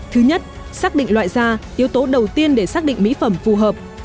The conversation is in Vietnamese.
thứ nhất xác định loại da yếu tố đầu tiên để xác định mỹ phẩm phù hợp